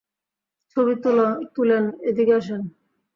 ছবি তুলেন, এদিকে আসেন।